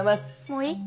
もういい？